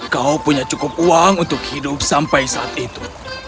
kau punya cukup uang untuk hidup sampai saat itu